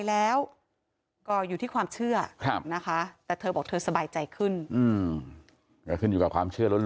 มันก็ต้องเชื่อแล้ว